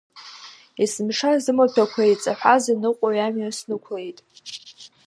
Есымша зымаҭәақәа еиҵаҳәаз аныҟәаҩ амҩа снықәлеит.